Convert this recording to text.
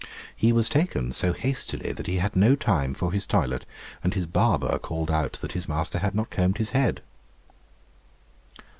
He was taken so hastily that he had no time for his toilet, and his barber called out that his master had not combed his head.